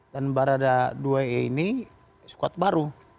dan barada dua e ini skuad baru